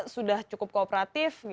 sudah cukup kooperatif